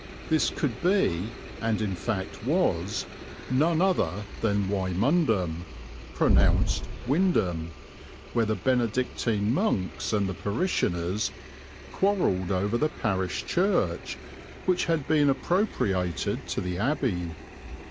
This could be, and in fact was, none other than Wymondham, pronounced Windham, where the Benedictine monks and the parishioners quarrelled over the parish church, which had been appropriated to the abbey.